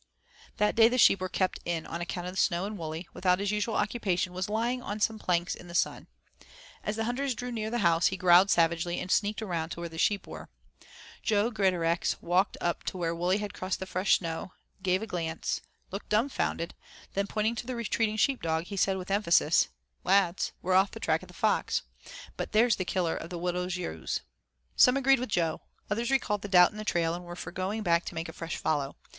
That day the sheep were kept in on account of the snow and Wully, without his usual occupation, was lying on some planks in the sun. As the hunters drew near the house, he growled savagely and sneaked around to where the sheep were. Jo Greatorex walked up to where Wully had crossed the fresh snow, gave a glance, looked dumbfounded, then pointing to the retreating sheep dog, he said, with emphasis: "Lads, we're off the track of the Fox. But there's the killer of the Widder's yowes." Some agreed with Jo, others recalled the doubt in the trail and were for going back to make a fresh follow.